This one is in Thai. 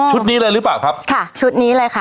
นี้เลยหรือเปล่าครับค่ะชุดนี้เลยค่ะ